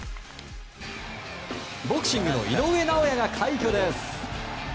ボクシングの井上尚弥が快挙です。